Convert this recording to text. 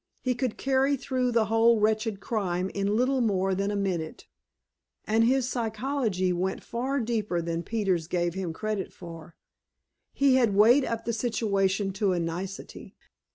He could carry through the whole wretched crime in little more than a minute. And his psychology went far deeper than Peters gave him credit for. He had weighed up the situation to a nicety.